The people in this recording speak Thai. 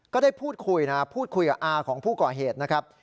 ก็ได้พูดคุยนะพูดคุยกับอาของผู้ก่อเหตุนะครับ